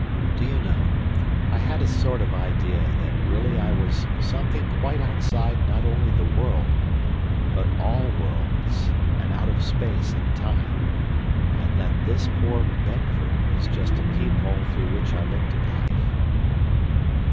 Do you know, I had a sort of idea that really I was something quite outside not only the world, but all worlds, and out of space and time, and that this poor Bedford was just a peephole through which I looked at life?